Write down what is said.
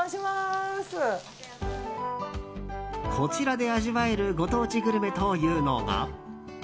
こちらで味わえるご当地グルメというのが。